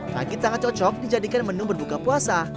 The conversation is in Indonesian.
ragit sangat cocok dijadikan menu berbuka puasa